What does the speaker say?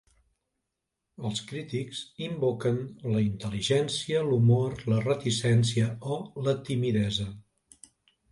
Els crítics invoquen la intel·ligència, l'humor, la reticència o la timidesa.